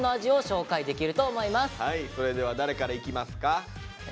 それでは誰からいきますか。